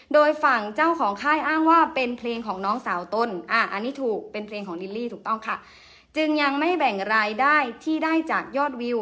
โดยฝั่งเจ้าของค่ายอ้างว่าเป็นเพลงของน้องสาวต้นจึงยังไม่แบ่งรายได้ที่ได้จากยอดวิว